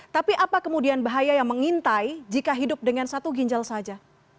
tapi apa kemudian bahaya yang mengintai jika hidup dengan satu ginjal saja